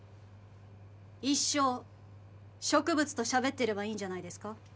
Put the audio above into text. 一生植物としゃべってればいいんじゃないですか